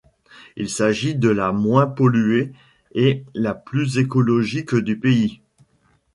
Il s'agit de la moins polluée et la plus écologique du pays.